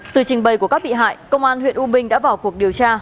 từ trình bày của các bị hại công an huyện u minh đã vào cuộc điều tra